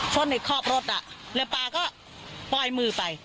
ชนในครอบรถอ่ะแล้วปลาก็ปล่อยมือไป